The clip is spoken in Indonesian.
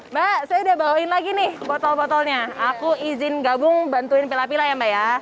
mbak saya udah bawain lagi nih botol botolnya aku izin gabung bantuin pilah pilah ya mbak ya